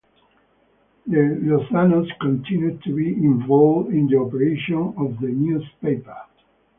The Lozanos continued to be involved in the operations of the newspaper.